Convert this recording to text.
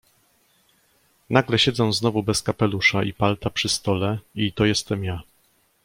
"Nagle siedzę znowu bez kapelusza i palta przy stole i to jestem ja."